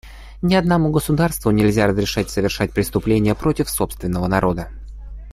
Ни одному государству нельзя разрешать совершать преступления против собственного народа.